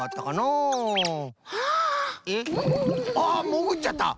ああもぐっちゃった！